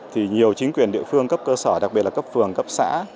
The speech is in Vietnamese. thì nhiều chính quyền địa phương cấp cơ sở đặc biệt là cấp phường cấp xã